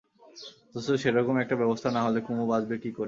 অথচ সেরকম একটা ব্যবস্থা না হলে কুমু বাঁচবে কী করে?